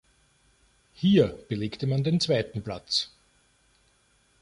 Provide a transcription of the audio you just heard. Hier belegte man den zweiten Platz.